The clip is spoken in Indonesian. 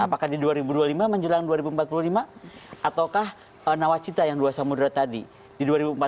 apakah di dua ribu dua puluh lima menjelang dua ribu empat puluh lima ataukah nawacita yang dua samudera tadi di dua ribu empat belas